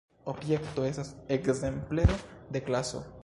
Objekto estas ekzemplero de klaso.